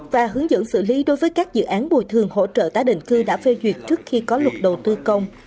và hướng dẫn xử lý đối với các dự án bồi thường hỗ trợ tái định cư đã phê duyệt trước khi có luật đầu tư công